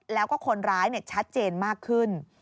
แล้วก็คนร้ายชัดเจนมากขึ้น